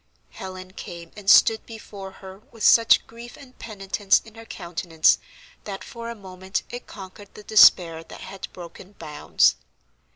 Helen came and stood before her with such grief and penitence in her countenance that for a moment it conquered the despair that had broken bounds.